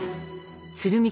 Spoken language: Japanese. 鶴見